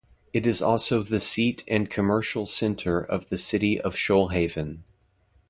It is also the seat and commercial centre of the City of Shoalhaven.